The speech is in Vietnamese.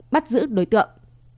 bắt giữ đối tượng